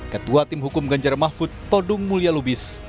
ketua tim hukum ganjar mahfud todung mulia lubis